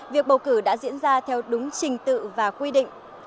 việc bầu cử đã diễn ra theo đúng trình tự và quy định